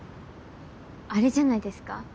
あれじゃないですか？